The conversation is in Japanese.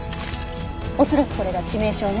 恐らくこれが致命傷ね。